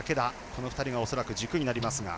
この２人が恐らく軸になります。